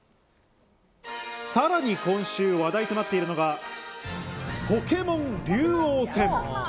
さらに今週、話題となっているのがポケモン竜王戦。